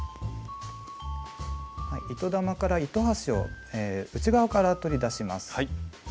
糸玉から糸端を内側から取り出します。